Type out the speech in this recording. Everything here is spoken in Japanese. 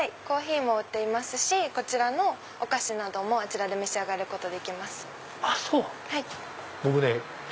コーヒーも売っていますしこちらのお菓子もあちらで召し上がることできます。